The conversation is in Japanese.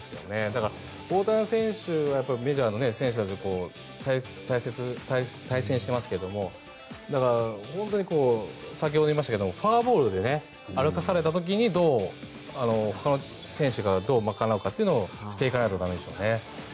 だから、大谷選手はメジャーの選手たちと対戦していますけども先ほど言いましたがフォアボールで歩かされた時にほかの選手が賄うかというのをしていかないと駄目でしょうね。